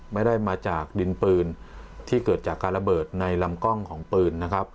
ไม่ได้มาจากดินปืนที่เกิดจากการระเบิดในลำกล้องของปืนนะครับ